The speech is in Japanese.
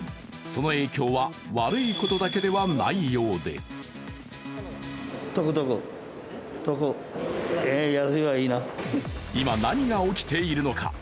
その影響は悪いことだけではないようで今、何が起きているのか。